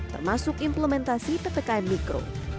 termasuk implementasi ppkm mikro